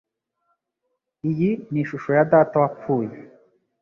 Iyi ni ishusho ya data wapfuye.